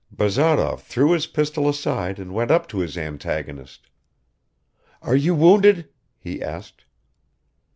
Bazarov threw his pistol aside and went up to his antagonist. "Are you wounded?" he asked.